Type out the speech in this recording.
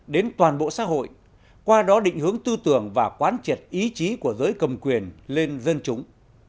đến toàn bộ xã hội qua đó định hướng tư tưởng và quán triệt ý chí của giới cầm quyền lên dân chúng